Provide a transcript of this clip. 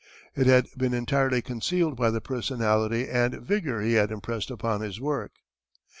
It had been entirely concealed by the personality and vigor he had impressed upon his work.